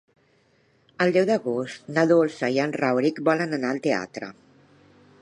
El deu d'agost na Dolça i en Rauric volen anar al teatre.